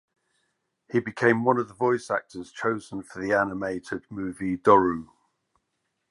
He became one of the voice actors chosen for the animated movie "Doru".